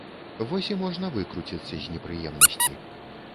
Вось і можна выкруціцца з непрыемнасці.